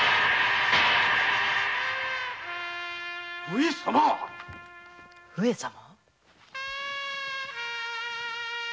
上様上様？